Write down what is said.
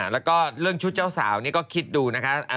แล้วก็เรื่องชุดเจ้าสาวนี่ก็คิดดูนะคะ